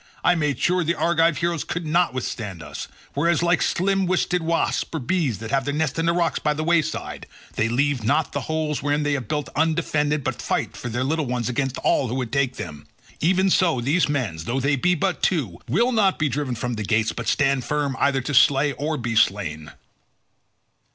I made sure the Argive heroes could not withstand us, whereas like slim waisted wasps, or bees that have their nests in the rocks by the wayside—they leave not the holes wherein they have built undefended, but fight for their little ones against all who would take them—even so these men, though they be but two, will not be driven from the gates, but stand firm either to slay or be slain."